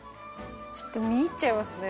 ちょっと見入っちゃいますね。